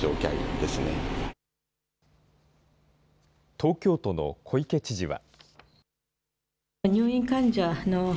東京都の小池知事は。